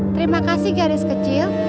terima kasih garis kecil